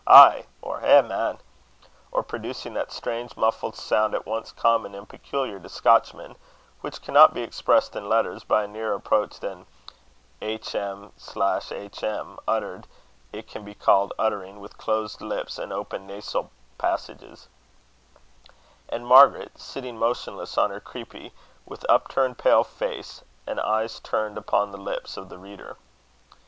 ay! or eh, man! or producing that strange muffled sound at once common and peculiar to Scotchmen, which cannot be expressed in letters by a nearer approach than hm hm, uttered, if that can be called uttering, with closed lips and open nasal passage; and Margaret sitting motionless on her creepie, with upturned pale face, and eyes fixed upon the lips of the reader.